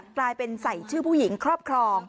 กลายเป็นใส่ชื่อผู้หญิงครอบครอง